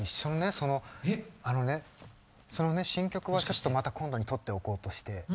そのあのね新曲はまた今度にとっておこうとして。